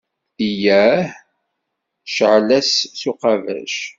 Eyyah! Ceεl-as s uqabac.